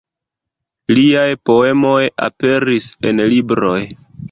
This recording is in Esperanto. Liaj poemoj aperis en libroj.